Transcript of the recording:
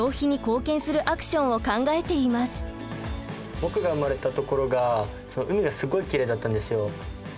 僕が生まれた所が海がすごいきれいだったんですよ。